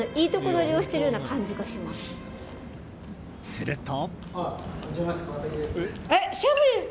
すると。